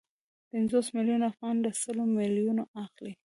پنځوس میلیونه افغانۍ له سلو میلیونو اخلي